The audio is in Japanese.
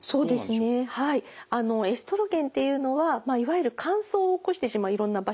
そうですねはいエストロゲンっていうのはまあいわゆる乾燥を起こしてしまういろんな場所にですね。